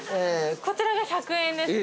こちらが１００円ですね。